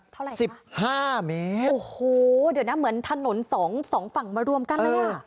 เท่าไหร่ค่ะ๑๕เมตรโอ้โหเดี๋ยวนะเหมือนถนน๒ฝั่งมารวมกันเลยอ่ะ